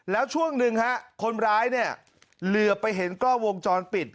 แล้วช่วงหนึ่งฮะคนร้ายเนี่ยเหลือไปเห็นกล้องวงจรปิด